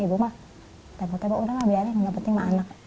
ibu mah tepuk tepuk udah lah biarin nggak penting sama anak